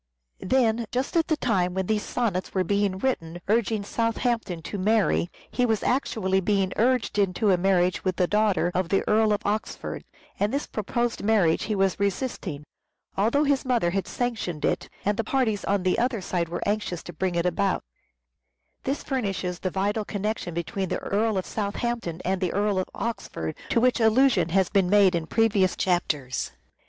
Then just at the time when these sonnets were being written urging Southampton to marry, he was actually being urged into a marriage with a daughter of the Earl of Oxford; and this proposed marriage he was resisting, although his mother had sanc tioned it, and the parties on the other side were * Nott : One authority says two sons. An important marriage proposal. POETIC SELF REVELATION 445 anxious to bring it about. This furnishes the vital connection between the Earl of Southampton and the Earl of Oxford, to which allusion has been made in previous chapters.